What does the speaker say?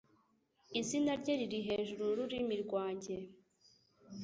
Izina rye riri hejuru yururimi rwanjye.